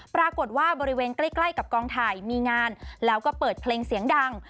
ปรากฏว่าบริเวณใกล้ใกล้กับกองถ่ายมีงานแล้วก็เปิดเพลงเสียงดัง